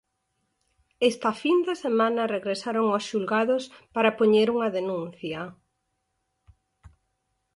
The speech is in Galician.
Esta fin de semana regresaron aos xulgados para poñer unha denuncia.